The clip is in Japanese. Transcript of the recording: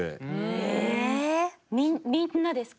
えみんなですか？